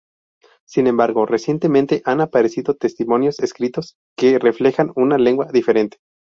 Sin embargo recientemente han aparecido testimonios escritos que reflejan una lengua diferente.